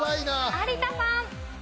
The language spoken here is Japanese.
有田さん。